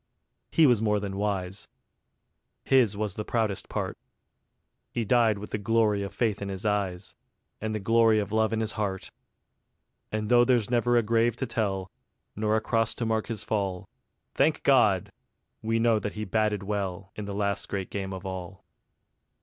He was more than wise. His was the proudest part. He died with the glory of faith in his eyes, And the glory of love in his heart. And though there's never a grave to tell, Nor a cross to mark his fall, Thank God! we know that he "batted well" In the last great Game of all.